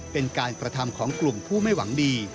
เป็นการกระทำของกลุ่มผู้ไม่หวังดี